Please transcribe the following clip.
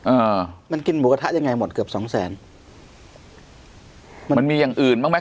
อ่ามันกินหมูกระทะยังไงหมดเกือบสองแสนมันมีอย่างอื่นบ้างไหม